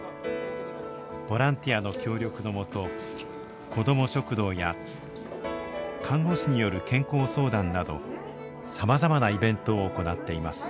ボランティアの協力のもと子ども食堂や看護師による健康相談などさまざまなイベントを行っています。